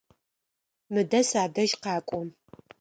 Мыдэ садэжь къакӏо!